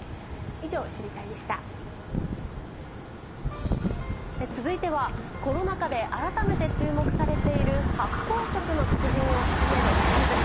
以上、続いては、コロナ禍で改めて注目されている発酵食の達人を訪ねるシリーズ。